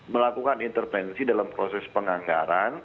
melakukan intervensi dalam proses penganggaran